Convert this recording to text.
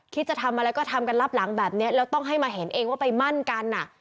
จะทำอะไรก็ทำกันรับหลังแบบนี้แล้วต้องให้มาเห็นเองว่าไปมั่นกันอ่ะ